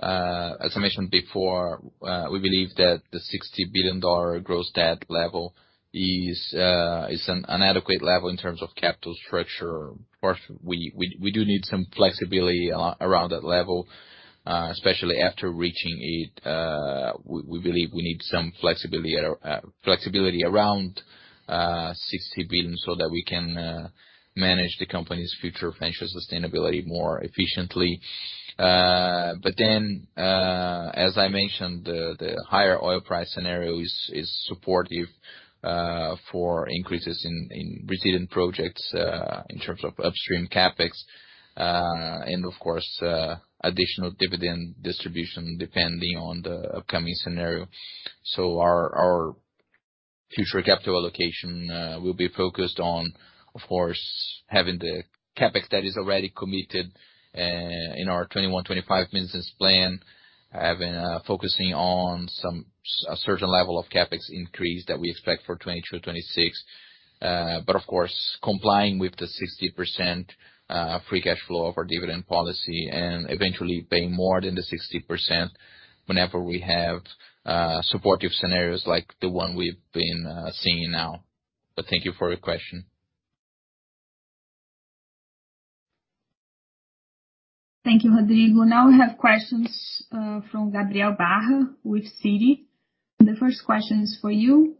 as I mentioned before, we believe that the $60 billion gross debt level is an adequate level in terms of capital structure. Of course, we do need some flexibility around that level, especially after reaching it. We believe we need some flexibility around $60 billion, so that we can manage the company's future financial sustainability more efficiently. As I mentioned, the higher oil price scenario is supportive for increases in Brazilian projects in terms of upstream CapEx, and of course, additional dividend distribution, depending on the upcoming scenario. Our future capital allocation will be focused on, of course, having the CapEx that is already committed in our 2021-2025 business plan, focusing on a certain level of CapEx increase that we expect for 2022-2026. Of course, complying with the 60% free cash flow of our dividend policy and eventually paying more than the 60% whenever we have supportive scenarios like the one we've been seeing now. Thank you for your question. Thank you, Rodrigo. Now we have questions from Gabriel Barra with Citi. The first question is for you.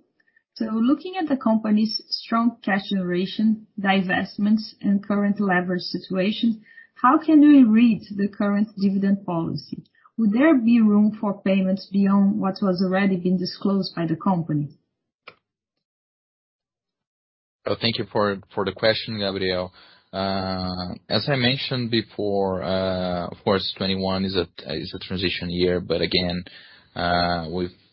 Looking at the company's strong cash generation, divestments, and current leverage situation. How can we read the current dividend policy? Would there be room for payments beyond what was already been disclosed by the company? Oh, thank you for the question, Gabriel. As I mentioned before, of course, 2021 is a transition year. Again,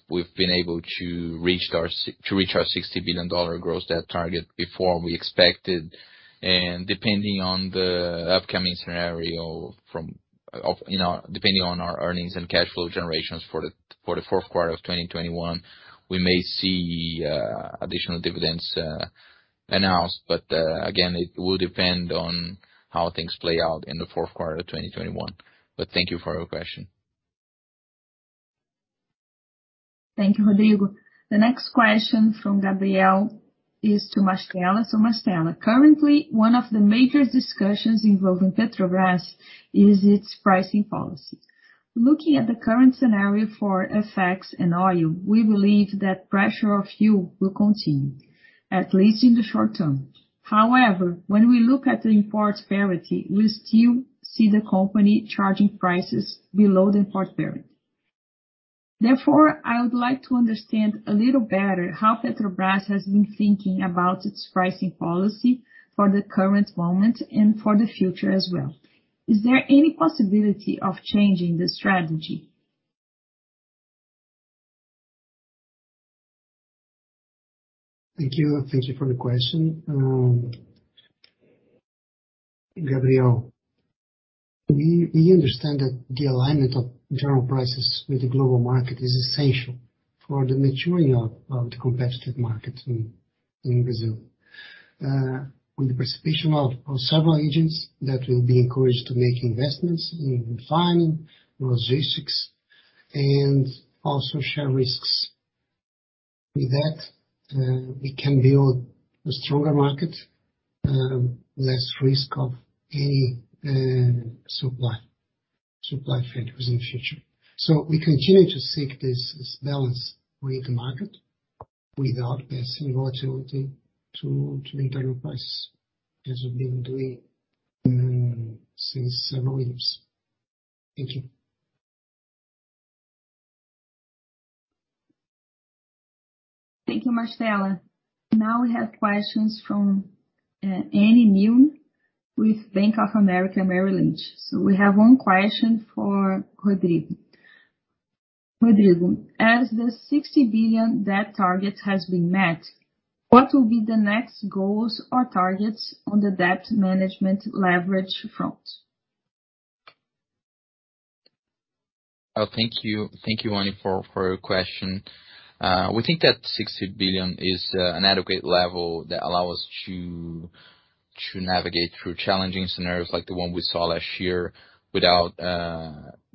we've been able to reach our $60 billion gross debt target before we expected. Depending on the upcoming scenario, you know, depending on our earnings and cash flow generations for the fourth quarter of 2021, we may see additional dividends announced. Again, it will depend on how things play out in the fourth quarter of 2021. Thank you for your question. Thank you, Rodrigo. The next question from Gabriel is to Mastella. Mastella, currently, one of the major discussions involving Petrobras is its pricing policy. Looking at the current scenario for FX and oil, we believe that pressure of fuel will continue, at least in the short term. However, when we look at the import parity, we still see the company charging prices below the import parity. Therefore, I would like to understand a little better how Petrobras has been thinking about its pricing policy for the current moment and for the future as well. Is there any possibility of changing the strategy? Thank you. Thank you for the question. Gabriel, we understand that the alignment of general prices with the global market is essential for the maturing of the competitive market in Brazil. With the participation of several agents that will be encouraged to make investments in refining, logistics, and also share risks. With that, we can build a stronger market, less risk of any supply failures in the future. We continue to seek this balance with the market without passing volatility to the internal price as we've been doing since several years. Thank you. Thank you, Mastella. Now we have questions from Anne Milne with Bank of America Merrill Lynch. We have one question for Rodrigo. Rodrigo, as the $60 billion debt target has been met, what will be the next goals or targets on the debt management leverage front? Thank you. Thank you, Anne, for your question. We think that $60 billion is an adequate level that allow us to navigate through challenging scenarios like the one we saw last year without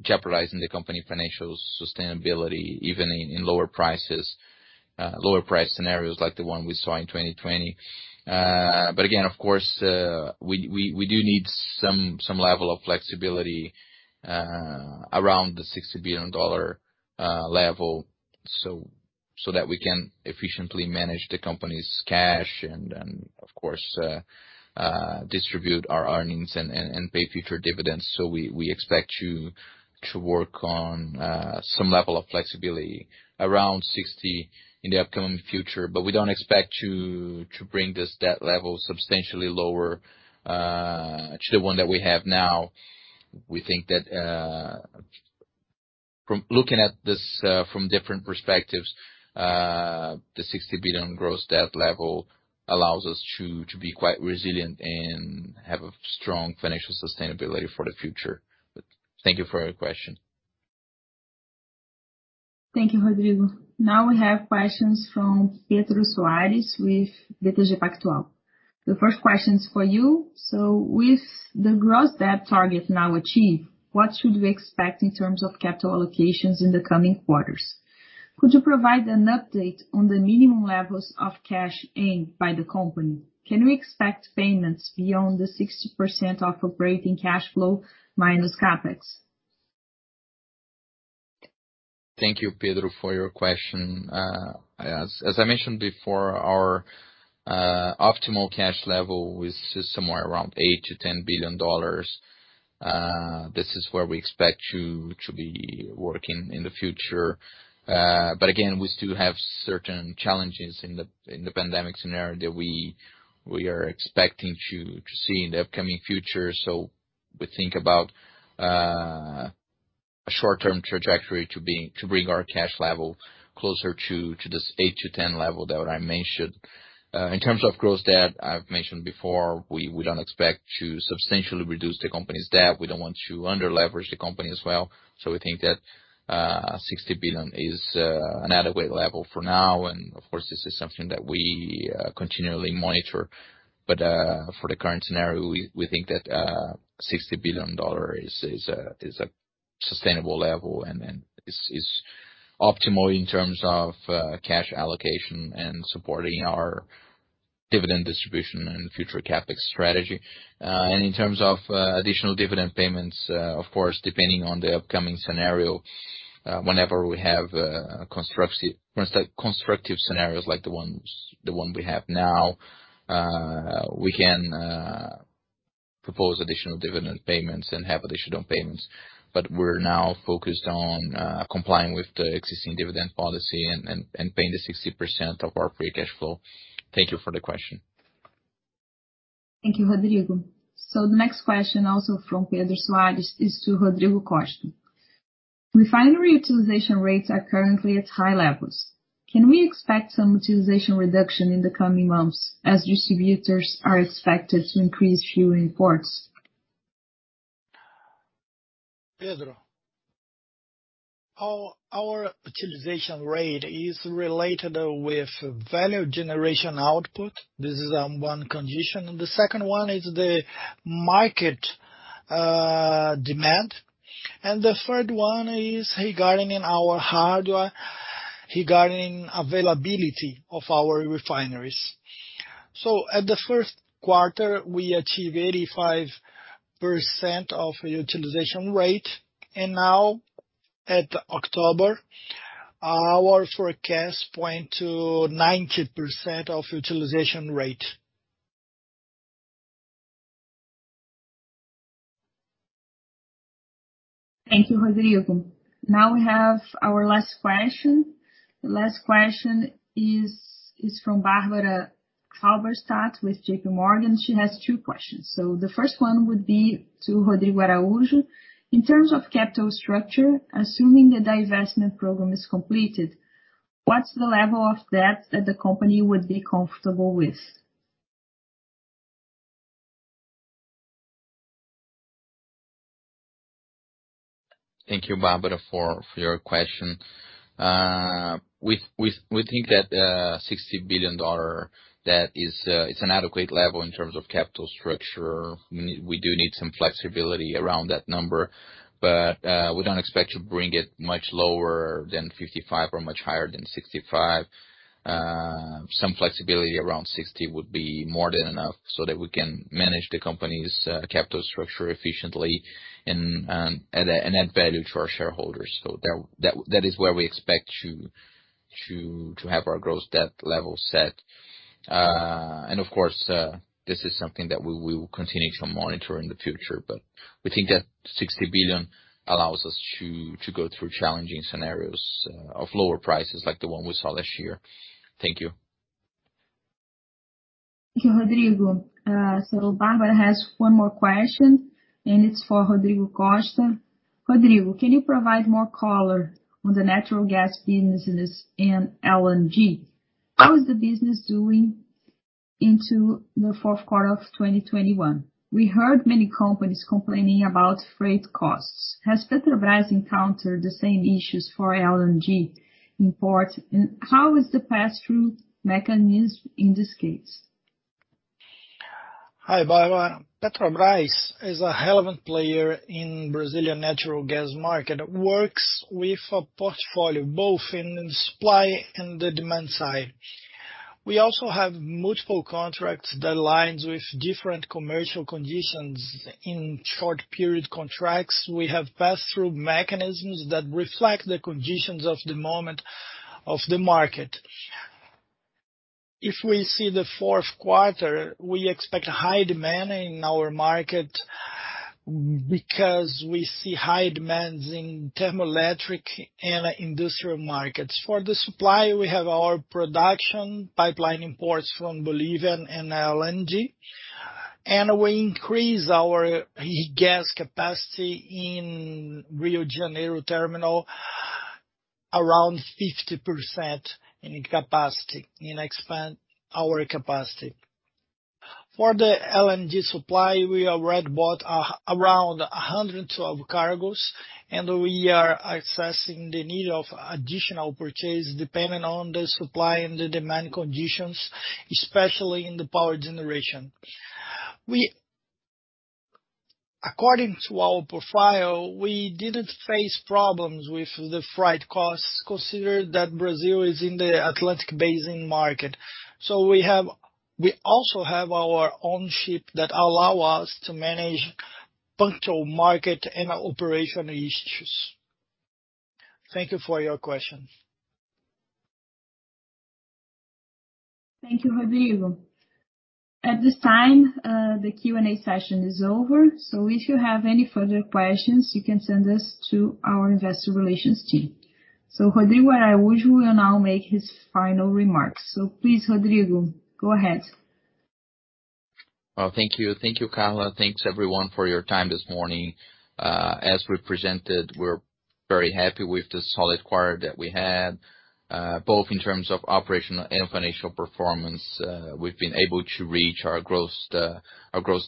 jeopardizing the company financial sustainability, even in lower prices, lower price scenarios like the one we saw in 2020. Again, of course, we do need some level of flexibility around the $60 billion dollar level, so that we can efficiently manage the company's cash and of course distribute our earnings and pay future dividends. We expect to work on some level of flexibility around sixty in the upcoming future. We don't expect to bring this debt level substantially lower to the one that we have now. We think that, from looking at this, from different perspectives, the $60 billion gross debt level allows us to be quite resilient and have a strong financial sustainability for the future. Thank you for your question. Thank you, Rodrigo. Now we have questions from Pedro Soares with BTG Pactual. The first question is for you. With the gross debt target now achieved, what should we expect in terms of capital allocations in the coming quarters? Could you provide an update on the minimum levels of cash aimed by the company? Can we expect payments beyond the 60% of operating cash flow minus CapEx? Thank you, Pedro, for your question. As I mentioned before, our optimal cash level is somewhere around $8 billion-$10 billion. This is where we expect to be working in the future. But again, we still have certain challenges in the pandemic scenario that we are expecting to see in the upcoming future. We think about a short-term trajectory to bring our cash level closer to this $8-$10 level that I mentioned. In terms of gross debt, I've mentioned before, we don't expect to substantially reduce the company's debt. We don't want to under-leverage the company as well. We think that $60 billion is an adequate level for now. Of course, this is something that we continually monitor. For the current scenario, we think that $60 billion is a sustainable level and is optimal in terms of cash allocation and supporting our dividend distribution and future CapEx strategy. In terms of additional dividend payments, of course, depending on the upcoming scenario, whenever we have constructive scenarios like the one we have now, we can propose additional dividend payments and have additional payments. We're now focused on complying with the existing dividend policy and paying the 60% of our free cash flow. Thank you for the question. Thank you, Rodrigo. The next question, also from Pedro Soares, is to Rodrigo Costa. Refinery utilization rates are currently at high levels. Can we expect some utilization reduction in the coming months as distributors are expected to increase fuel imports? Pedro, our utilization rate is related with value generation output. This is one condition. The second one is the market demand. The third one is regarding our hardware, regarding availability of our refineries. At the first quarter, we achieved 85% utilization rate. Now, at October, our forecast point to 90% utilization rate. Thank you, Rodrigo. Now we have our last question. The last question is from Barbara Halberstadt with JPMorgan. She has two questions. The first one would be to Rodrigo Araujo. In terms of capital structure, assuming the divestment program is completed, what's the level of debt that the company would be comfortable with? Thank you, Barbara, for your question. We think that $60 billion debt is an adequate level in terms of capital structure. We do need some flexibility around that number, but we don't expect to bring it much lower than $55 billion or much higher than $65 billion. Some flexibility around $60 billion would be more than enough so that we can manage the company's capital structure efficiently and add value to our shareholders. That is where we expect to have our gross debt level set. Of course, this is something that we will continue to monitor in the future. We think that $60 billion allows us to go through challenging scenarios of lower prices like the one we saw last year. Thank you. Thank you, Rodrigo. Barbara has one more question and it's for Rodrigo Costa. Rodrigo, can you provide more color on the natural gas businesses in LNG? How is the business doing into the fourth quarter of 2021? We heard many companies complaining about freight costs. Has Petrobras encountered the same issues for LNG import, and how is the passthrough mechanism in this case? Hi, Barbara. Petrobras is a relevant player in Brazilian natural gas market. Works with a portfolio both in the supply and the demand side. We also have multiple contracts that aligns with different commercial conditions. In short period contracts, we have passthrough mechanisms that reflect the conditions of the moment of the market. If we see the fourth quarter, we expect high demand in our market because we see high demands in thermoelectric and industrial markets. For the supply, we have our production, pipeline imports from Bolivia and LNG. We increase our gas capacity in Rio de Janeiro terminal around 50% in capacity, and expand our capacity. For the LNG supply, we have bought around 112 cargos, and we are assessing the need of additional purchase depending on the supply and the demand conditions, especially in the power generation. According to our profile, we didn't face problems with the freight costs, considering that Brazil is in the Atlantic Basin market. We also have our own ship that allow us to manage punctual market and operational issues. Thank you for your question. Thank you, Rodrigo. At this time, the Q&A session is over. If you have any further questions, you can send this to our investor relations team. Rodrigo Araujo will now make his final remarks. Please, Rodrigo. Go ahead. Well, thank you. Thank you, Carla. Thanks everyone for your time this morning. As we presented, we're very happy with the solid quarter that we had, both in terms of operational and financial performance. We've been able to reach our gross dollar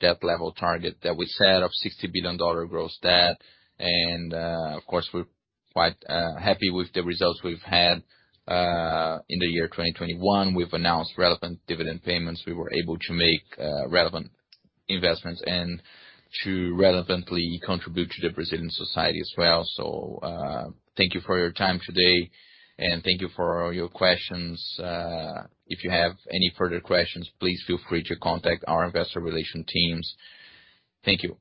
debt level target that we set of $60 billion gross debt. Of course, we're quite happy with the results we've had in the year 2021. We've announced relevant dividend payments. We were able to make relevant investments and to relevantly contribute to the Brazilian society as well. Thank you for your time today and thank you for your questions. If you have any further questions, please feel free to contact our investor relations teams. Thank you.